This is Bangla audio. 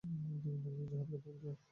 আর দক্ষিণ ভারতে জিহাদ করতে বলেছে।